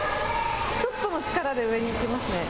ちょっとの力で上に行きますね。